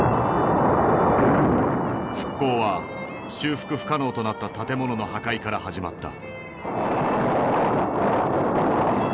復興は修復不可能となった建物の破壊から始まった。